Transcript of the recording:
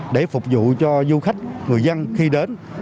để phục vụ cho du khách người dân khi đến